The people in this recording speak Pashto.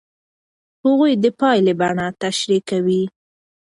هغوی د پایلې بڼه تشریح کوي.